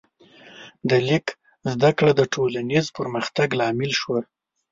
د لیک زده کړه د ټولنیز پرمختګ لامل شوه.